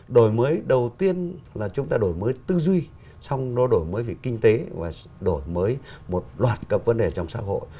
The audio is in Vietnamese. đổi mới đầu tiên là chúng ta đổi mới tư duy xong nó đổi mới về kinh tế và đổi mới một loạt cặp vấn đề trong xã hội